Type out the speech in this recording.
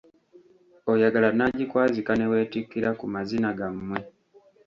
Oyagala nnaagikwazika ne weetikkira ku mazina gammwe.